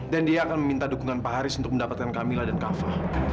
dan dia akan meminta dukungan pak haris untuk mendapatkan kamila dan kafa